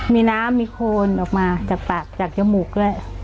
มีน้ำมีโคนออกมาจากปากจากจมูกด้วย